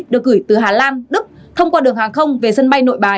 được gửi từ hà lan đức thông qua đường hàng không về sân bay nội bài